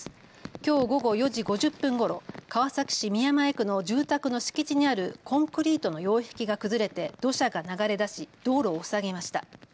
きょう午後４時５０分ごろ、川崎市宮前区の住宅の敷地にあるコンクリートの擁壁が崩れて土砂が流れ出し道路を塞ぎました。